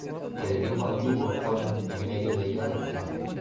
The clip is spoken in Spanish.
que de tiempo antiguo forman en medio de ella rebeliones.